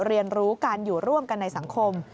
เรียนรู้การอยู่ร่วมกันในสังคม